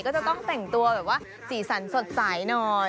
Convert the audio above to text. ก็จะต้องแต่งตัวสีสันสดใสหน่อย